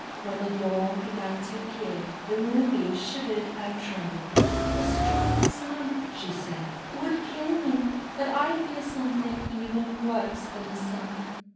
When the dawn began to appear, the Moonbeam shivered and trembled. "The strong Sun," she said, "would kill me, but I fear something even worse than the Sun.